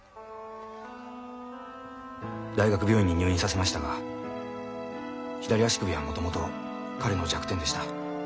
大学病院に入院させましたが左足首はもともと彼の弱点でした。